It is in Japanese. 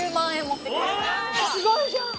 すごいじゃん！